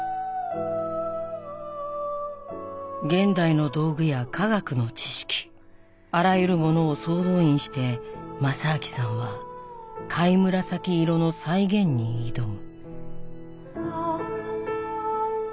現代の道具や化学の知識あらゆるものを総動員して正明さんは貝紫色の再現に挑む。